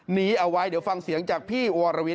หนีเอาไว้เดี๋ยวฟังเสียงจากพี่วรวิท